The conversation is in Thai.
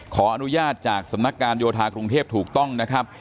ขออนุญาตจากสำนักการโยธากรุงเทพถูกต้องนะครับ